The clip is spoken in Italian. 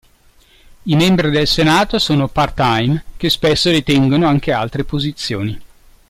I membri del Senato sono part-time che spesso detengono anche altre posizioni.